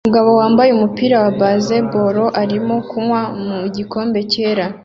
Umugabo wambaye umupira wa baseball arimo kunywa mu gikombe cyera